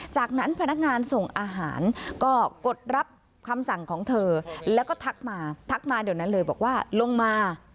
จากนั้นพนักงานส่งอาหารก็กดรับคำสั่งของเธอแล้วก็ทักมาทักมาเดี๋ยวนั้นเลยบอกว่าลงมา